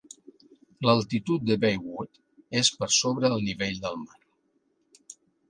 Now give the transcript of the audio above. L'altitud de Baywood és per sobre el nivell del mar.